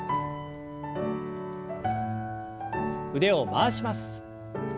腕を回します。